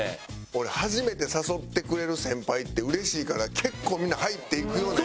俺初めて誘ってくれる先輩ってうれしいから結構みんな「はい！」っていくような。